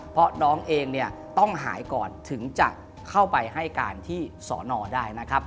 เพราะน้องเองเนี่ยต้องหายก่อนถึงจะเข้าไปให้การที่สอนอได้นะครับ